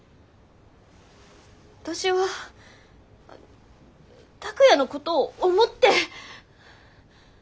私は拓哉のことを思って。